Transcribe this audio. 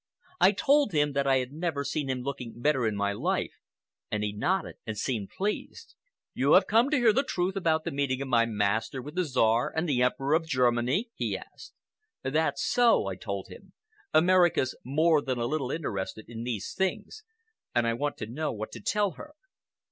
I told him that I had never seen him looking better in my life, and he nodded and seemed pleased. 'You have come to hear the truth about the meeting of my master with the Czar and the Emperor of Germany?' he asked. 'That's so,' I told him. 'America's more than a little interested in these things, and I want to know what to tell her.